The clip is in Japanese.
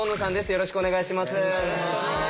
よろしくお願いします。